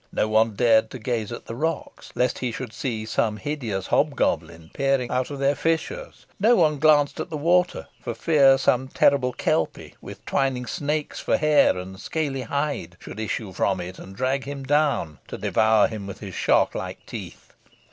No one dared to gaze at the rocks, lest he should see some hideous hobgoblin peering out of their fissures. No one glanced at the water, for fear some terrible kelpy, with twining snakes for hair and scaly hide, should issue from it and drag him down to devour him with his shark like teeth.